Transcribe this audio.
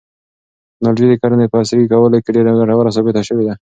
تکنالوژي د کرنې په عصري کولو کې ډېره ګټوره ثابته شوې ده.